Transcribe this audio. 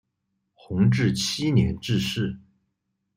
弘治七年致仕。